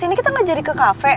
ini kita gak jadi ke kafe